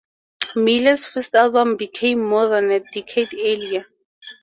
Miller's first album came more than a decade earlier.